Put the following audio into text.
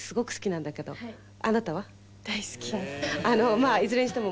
「まあいずれにしても」